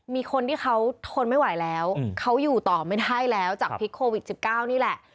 มีคนที่เขาทนไม่ไหวแล้วเขาอยู่ต่อไม่ได้แล้วจากพิษโควิด๑๙นี่แหละ